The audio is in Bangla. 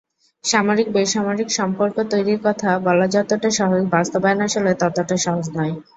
সামরিক-বেসামরিক সম্পর্ক তৈরির কথা বলা যতটা সহজ, বাস্তবায়ন আসলে ততটা সহজ নয়।